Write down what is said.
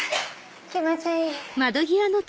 気持ちいい！